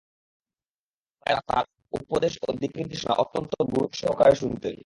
তাই তারা তাঁর উপদেশ ও দিক নির্দেশনা অত্যন্ত গুরুত্বসহকারে শুনতেন।